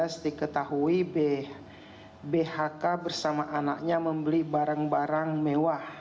saya ketahui bhk bersama anaknya membeli barang barang mewah